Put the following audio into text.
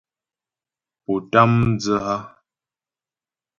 Pó tám bǎ mdzə́ a ?